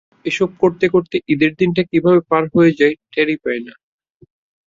এসব করতে করতে ঈদের দিনটা কীভাবে পার হয়ে যায়, টেরই পান না।